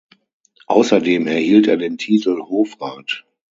Außerdem erhielt er den Titel "Hofrat".